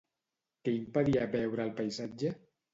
Què impedia veure el paisatge?